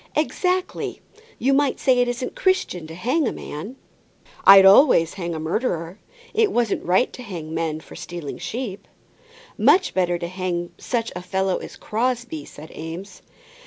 "Exactly. You might say it isn't Christian to hang a man." "I'd always hang a murderer. It wasn't right to hang men for stealing sheep." "Much better hang such a fellow as Crosbie," said Eames.